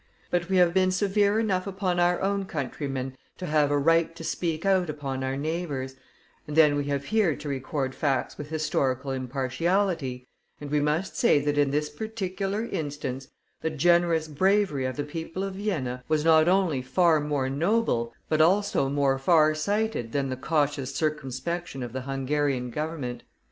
But we have been severe enough upon our own countrymen, to have a right to speak out upon our neighbors; and then we have here to record facts with historical impartiality, and we must say that in this particular instance, the generous bravery of the people of Vienna was not only far more noble, but also more far sighted than the cautious circumspection of the Hungarian Government.